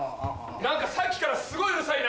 何かさっきからすごいうるさいな。